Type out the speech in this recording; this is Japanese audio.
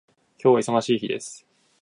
今日は忙しい日です